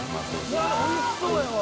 うわっおいしそうやわ。